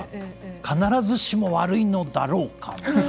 「必ずしも悪いのだろうか」みたいな。